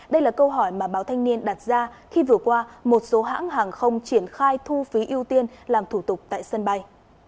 đây là câu hỏi mà báo thanh niên đặt ra khi vừa qua một số hãng hàng không triển khai thu phí ưu tiên làm thủ tục tại sân bay